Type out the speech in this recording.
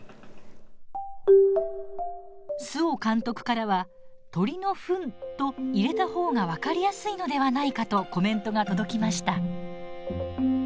周防監督からは「鳥のふん」と入れた方が分かりやすいのではないかとコメントが届きました。